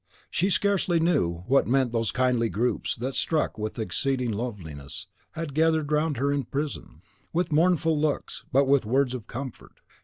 She scarcely knew what meant those kindly groups, that, struck with her exceeding loveliness, had gathered round her in the prison, with mournful looks, but with words of comfort.